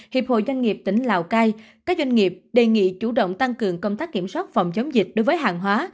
hiệp hội doanh nghiệp tỉnh lào cai các doanh nghiệp đề nghị chủ động tăng cường công tác kiểm soát phòng chống dịch đối với hàng hóa